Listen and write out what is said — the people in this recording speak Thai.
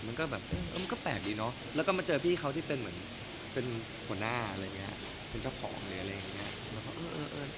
มันก็แบบเออมันก็แปลกดีเนอะแล้วก็มาเจอพี่เขาที่เป็นเหมือนเป็นหัวหน้าอะไรอย่างนี้เป็นเจ้าของหรืออะไรอย่างนี้